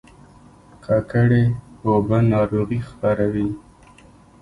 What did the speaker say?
ککړې اوبه ناروغي خپروي